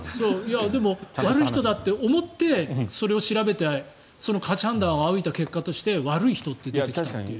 でも、悪い人だと思ってそれを調べてその価値判断を仰いだ結果として悪い人と出てきたという。